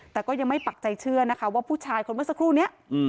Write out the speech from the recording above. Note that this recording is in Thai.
แต่ก็ยังไม่ปักใจเชื่อนะคะว่าผู้ชายคนเมื่อสักครู่นี้